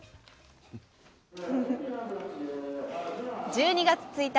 １２月１日。